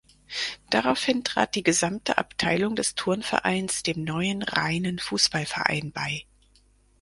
Daraufhin trat die gesamte Abteilung des Turnvereins dem neuen reinen Fußballverein bei.